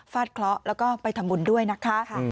เคราะห์แล้วก็ไปทำบุญด้วยนะคะ